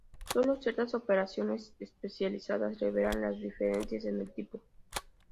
Sólo ciertas operaciones especializadas revelan las diferencias en el tipo.